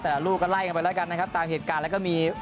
ลูกก็ไล่กันไปแล้วกันนะครับตามเหตุการณ์แล้วก็มี